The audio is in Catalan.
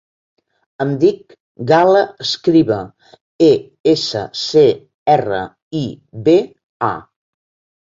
Em dic Gal·la Escriba: e, essa, ce, erra, i, be, a.